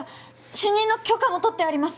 主任の許可も取ってあります